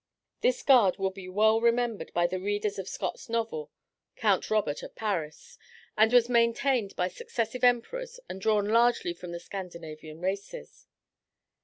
This guard will be well remembered by the readers of Scott's novel, "Count Robert of Paris," and was maintained by successive emperors and drawn largely from the Scandinavian races.